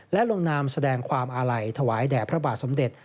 และลงนามแสดงความอาลัยถวายแด่พระบาทสมเด็จ